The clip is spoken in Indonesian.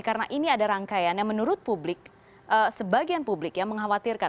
karena ini ada rangkaian yang menurut publik sebagian publik yang mengkhawatirkan